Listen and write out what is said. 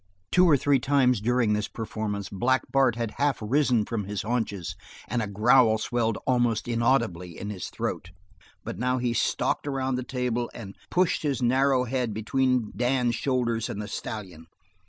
Two or three times during this performance Black Bart had half risen from his haunches and a growl swelled almost inaudibly in his throat, but now he stalked around the table and pushed his narrow head between Dan's shoulder and the stallion.